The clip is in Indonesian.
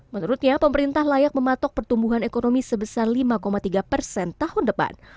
menurutnya pemerintah layak mematok pertumbuhan ekonomi sebesar lima tiga persen tahun depan